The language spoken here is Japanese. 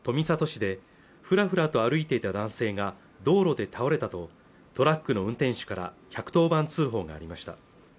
市でふらふらと歩いていた男性が道路で倒れたとトラックの運転手から１１０番通報がありました